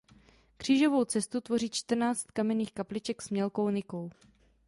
Křížovou cestu tvoří čtrnáct kamenných kapliček s mělkou nikou.